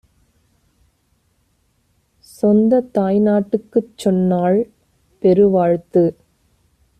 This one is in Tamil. சொந்தத் தாய்நாட்டுக்குச் சொன்னாள் பெருவாழ்த்து.